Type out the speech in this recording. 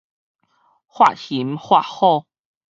喝熊喝虎